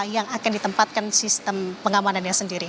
yang akan ditempatkan sistem pengamanannya sendiri